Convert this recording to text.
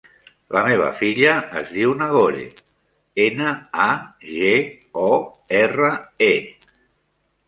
La meva filla es diu Nagore: ena, a, ge, o, erra, e.